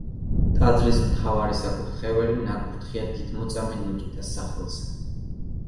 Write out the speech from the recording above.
ტაძრის მთავარი საკურთხეველი ნაკურთხია დიდმოწამე ნიკიტას სახელზე.